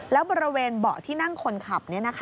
แล้วบริเวณเบาะที่นั่งคนขับ